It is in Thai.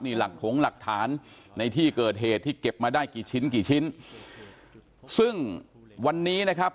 นี่หลักผงหลักฐานในที่เกิดเหตุที่เก็บมาได้กี่ชิ้นกี่ชิ้นซึ่งวันนี้นะครับ